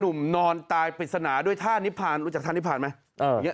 หนุ่มนอนตายผิดสนาด้วยท่านนิพพารรู้จักท่านนิพพารมั้ย